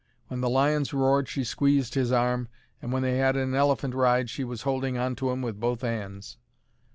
When the lions roared she squeezed his arm, and when they 'ad an elephant ride she was holding on to 'im with both 'ands.